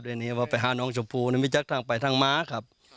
เดี๋ยวนี้ว่าไปหาน้องชมผู้นี่มีจากทางไปทางม้าครับครับ